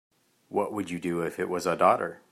What would you do if it was a daughter?